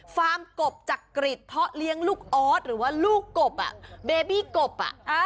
ฟาร์มกบจักริตเพาะเลี้ยงลูกออสหรือว่าลูกกบเบบี้กบ